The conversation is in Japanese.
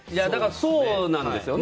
そうなんですよね。